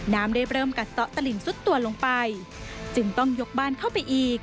น้ำอะไรเริ่มกัตตะลิงซุดตัวลงไปจึงต้องยกบ้านเข้าไปอีก